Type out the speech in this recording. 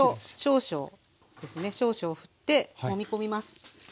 少々ふってもみ込みます。